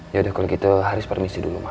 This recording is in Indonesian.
yaudah kalau gitu haris permisi dulu ma